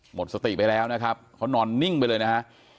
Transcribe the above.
หมดสติไปแล้วนะครับเขานอนนิ่งไปเลยนะฮะ